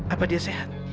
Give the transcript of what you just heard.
apa dia sehat